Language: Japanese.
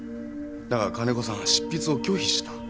だが金子さんは執筆を拒否した。